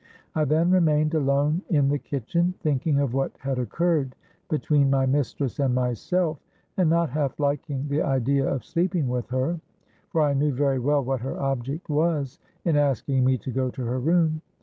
I then remained alone in the kitchen, thinking of what had occurred between my mistress and myself, and not half liking the idea of sleeping with her—for I knew very well what her object was in asking me to go to her room.